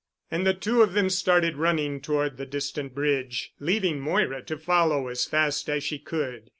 And the two of them started running toward the distant bridge, leaving Moira to follow as fast as she could.